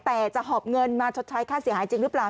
แต่จะหอบเงินมาชดใช้ค่าเสียหายจริงหรือเปล่า